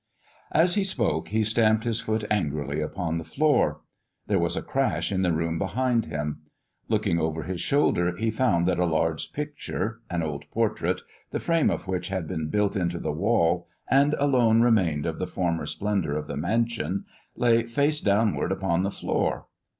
As he spoke he stamped his foot angrily upon the floor. There was a crash in the room behind him. Looking over his shoulder, he found that a large picture, an old portrait, the frame of which had been built into the wall and alone remained of the former splendor of the mansion, lay face downward upon the floor.